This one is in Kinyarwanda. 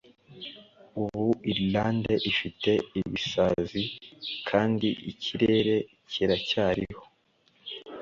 Ubu Irlande ifite ibisazi kandi ikirere kiracyariho,